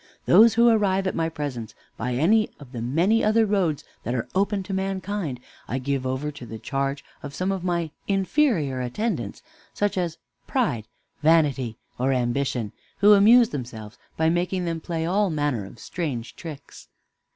Those who arrive at my presence by any of the many other roads that are open to mankind I give over to the charge of some of my inferior attendants, such as Pride, Vanity, or Ambition, who amuse themselves by making them play all manner of strange tricks."